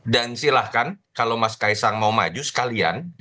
dan silahkan kalau mas kaesang mau maju sekalian